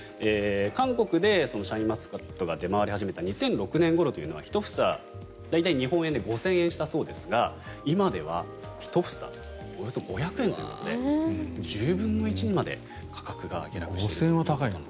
韓国でシャインマスカットが出回り始めた２００６年ごろは１房大体、日本円で５０００円したそうですが今では１房およそ５００円ということで１０分の１にまで価格が下落していると。